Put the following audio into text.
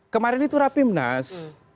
kemarin itu rapimnas